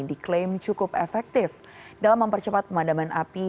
diklaim cukup efektif dalam mempercepat pemadaman api